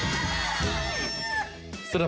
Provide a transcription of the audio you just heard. นักรัมข่าวมาก